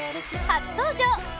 初登場！